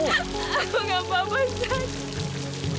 aku gak apa apa set